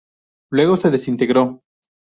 Luego, se desintegró.